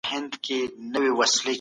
د خوړو د مسمومیت پېښې په زیاتېدو دي.